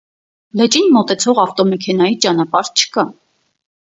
Լճին մոտեցող ավտոմեքենայի ճանապարհ չկա։